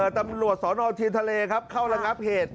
ตำรวจสสนอชีพทะเลครับ